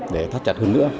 để thắt chặt hơn nữa